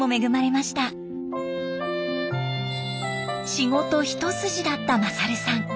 仕事一筋だった勝さん。